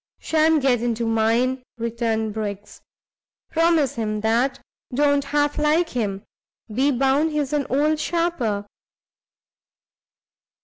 "Shan't get into mine!" returned Briggs, "promise him that! don't half like him; be bound he's an old sharper."